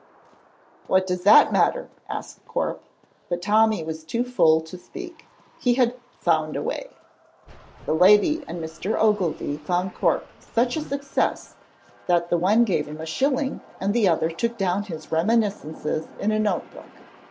"What does that matter?" asked Corp, but Tommy was too full to speak. He had "found a way." The lady and Mr. Ogilvy found Corp such a success that the one gave him a shilling and the other took down his reminiscences in a note book.